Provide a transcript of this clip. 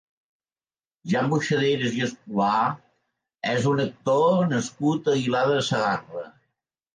Jan Buxaderas i Escolà és un actor nascut a Aguilar de Segarra.